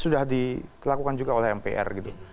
sudah dilakukan juga oleh mpr gitu